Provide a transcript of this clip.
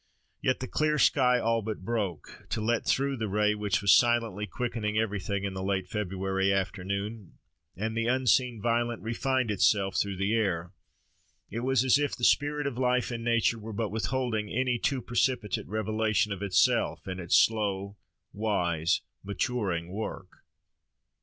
Yet the clear sky all but broke to let through the ray which was silently quickening everything in the late February afternoon, and the unseen violet refined itself through the air. It was as if the spirit of life in nature were but withholding any too precipitate revelation of itself, in its slow, wise, maturing work.